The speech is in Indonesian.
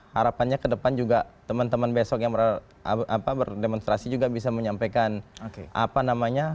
harapannya ke depan juga teman teman besok yang berdemonstrasi juga bisa menyampaikan apa namanya